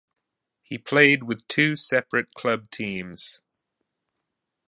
He played with two separate club teams.